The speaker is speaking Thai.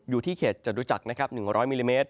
อยู่ที่เขตเจ้าตัวจักรนะครับ๑๐๐มม